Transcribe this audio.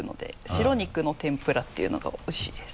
白肉の天ぷらっていうのがおいしいです。